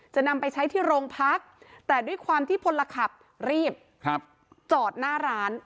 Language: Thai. จะนำไปใช้ที่โรงพักแต่ด้วยความที่พลขับรีบจอดหน้าร้าน